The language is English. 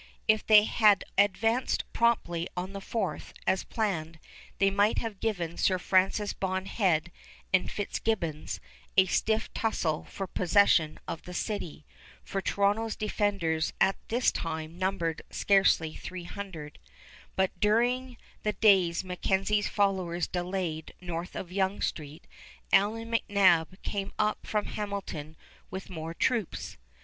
If they had advanced promptly on the 4th, as planned, they might have given Sir Francis Bond Head and Fitzgibbons a stiff tussle for possession of the city, for Toronto's defenders at this time numbered scarcely three hundred; but during the days MacKenzie's followers delayed north of Yonge Street, Allan McNab came up from Hamilton with more troops.